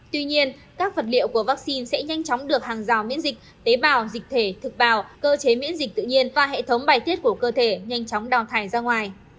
tuy nhiên các vật liệu của vaccine sẽ nhanh chóng được hàng rào miễn dịch tế bào dịch thể thực bào cơ chế miễn dịch tự nhiên và hệ thống bài tiết của cơ thể nhanh chóng đào thải ra ngoài